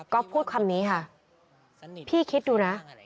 ก็พูดคำนี้ค่ะพี่คิดดูนะ